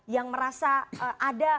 yang merasa ada